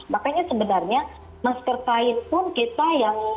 makanya sebenarnya masker kain pun kita yang